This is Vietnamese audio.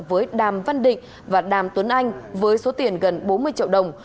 với đàm văn định và đàm tuấn anh với số tiền gần bốn mươi triệu đồng